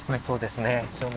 そうですね。